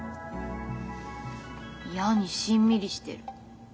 いやにしんみりしてる。